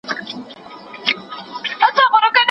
په علمي کارونو کي دوکه کول خورا ناوړه او بد کار دی.